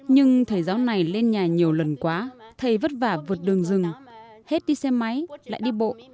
nhưng thầy giáo này lên nhà nhiều lần quá thầy vất vả vượt đường rừng hết đi xe máy lại đi bộ